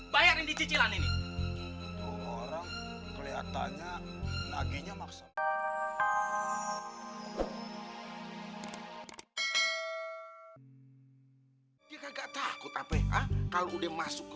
bayarin di cicilan ini orang kelihatannya naginya maksudnya enggak takut tapi kalau udah masuk ke